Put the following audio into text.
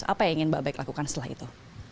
apa yang ingin mbak beck lakukan setelah itu